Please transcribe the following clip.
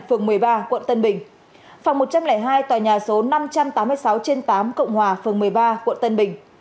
phường một mươi ba quận tân bình phòng một trăm linh hai tòa nhà số năm trăm tám mươi sáu trên tám cộng hòa phường một mươi ba quận tân bình